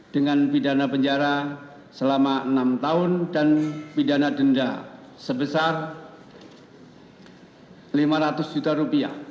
dengan pidana penjara selama enam tahun dan pidana denda sebesar lima ratus juta rupiah